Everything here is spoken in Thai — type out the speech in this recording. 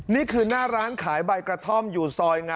นี่คือหน้าร้านขายใบกระท่อมอยู่ซอย๑